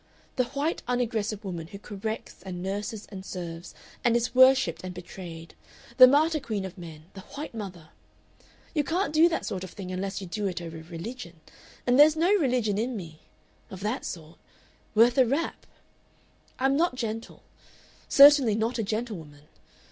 "The white unaggressive woman who corrects and nurses and serves, and is worshipped and betrayed the martyr queen of men, the white mother.... You can't do that sort of thing unless you do it over religion, and there's no religion in me of that sort worth a rap. "I'm not gentle. Certainly not a gentlewoman.